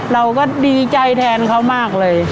เราก็ดีใจแทนเขามากเลย